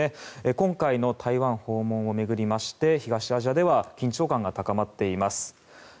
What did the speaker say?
今回の台湾訪問を巡りまして東アジアでは緊張感が高まっています。